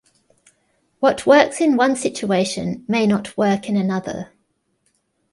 What works in one situation may not work in another.